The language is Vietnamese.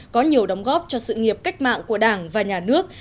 có nhiều đóng góp cho sự nghiệp cách mạng của đảng và nhà nước